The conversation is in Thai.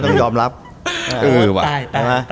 ก็ต้องรับใจ